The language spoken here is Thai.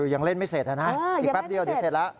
ยังเล่นไม่เสร็จนะอีกแป๊บเดียวเดี๋ยวเสร็จแล้ว